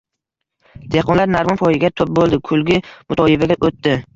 Dehqonlar narvon poyiga to‘p bo‘ldi. Kulgi-mutoyibaga o‘tdi: